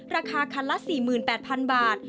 ราคาคันละ๔๘๐๐๐บาท